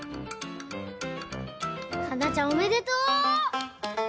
かんなちゃんおめでとう！